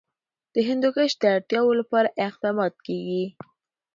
د هندوکش د اړتیاوو لپاره اقدامات کېږي.